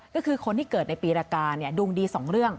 ก็คือคนที่เกิดในปีละกาดวงดี๒เรื่อง